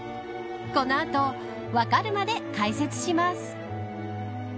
この後、わかるまで解説します。